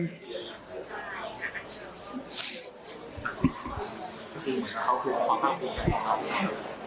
ไม่ก็ติดอยู่ไหร่